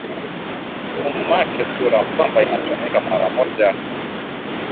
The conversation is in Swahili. kumake sure kwamba inatumika mara moja